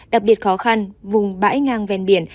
đặc biệt khó khăn vùng bãi ngang ven biển